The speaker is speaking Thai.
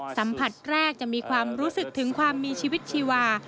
สัมผัสแรกจะมีความรู้สึกถึงความมีชีวิตชีวา